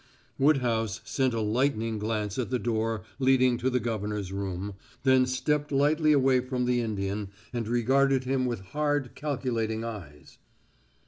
Woodhouse sent a lightning glance at the door leading to the governor's room, then stepped lightly away from the Indian and regarded him with hard calculating eyes.